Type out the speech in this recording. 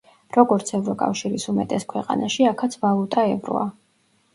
როგორც ევროკავშირის უმეტეს ქვეყანაში, აქაც ვალუტა ევროა.